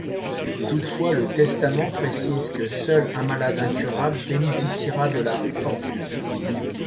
Toutefois, le testament précise que seul un malade incurable bénéficiera de la fortune.